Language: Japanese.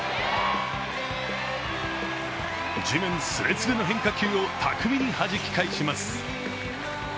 地面すれすれの変化球を巧みにはじき返します。